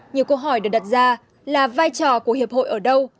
nhiều câu hỏi được đặt ra là vai trò của hiệp hội ở đâu